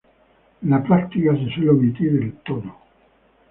En la práctica se suele omitir el tono.